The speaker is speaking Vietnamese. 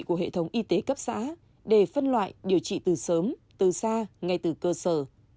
của hệ thống y tế cấp xã để phân loại điều trị từ sớm từ xa ngay từ cơ sở